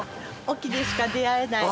隠岐でしか出会えない！